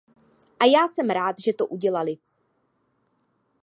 A já jsem rád, že to udělaly.